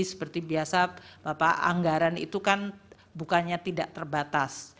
seperti biasa bapak anggaran itu kan bukannya tidak terbatas